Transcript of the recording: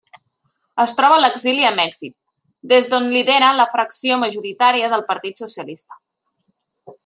Es troba a l'exili a Mèxic, des d'on lidera la fracció majoritària del Partit Socialista.